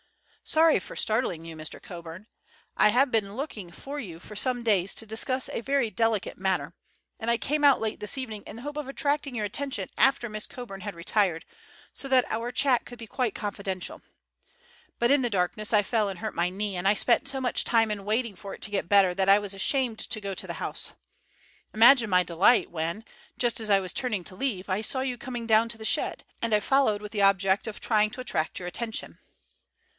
"Sorry for startling you. Mr. Coburn. I have been looking for you for some days to discuss a very delicate matter, and I came out late this evening in the hope of attracting your attention after Miss Coburn had retired, so that our chat could be quite confidential. But in the darkness I fell and hurt my knee, and I spent so much time in waiting for it to get better that I was ashamed to go to the house. Imagine my delight when, just as I was turning to leave, I saw you coming down to the shed, and I followed with the object of trying to attract your attention."